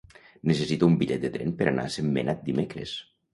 Necessito un bitllet de tren per anar a Sentmenat dimecres.